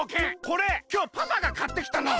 これきょうパパがかってきたの！